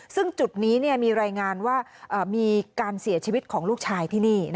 ซึ่งจุดนี้มีรายงานว่ามีการเสียชีวิตของลูกชายที่นี่